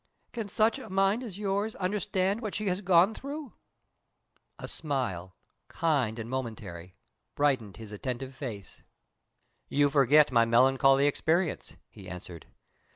"Can such a mind as yours understand what she has gone through?" A smile, kind and momentary, brightened his attentive face. "You forget my melancholy experience," he answered.